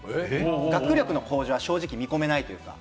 学力の向上は正直、見込めないというか。